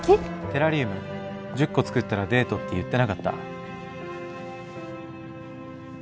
テラリウム１０個作ったらデートって言ってなかった？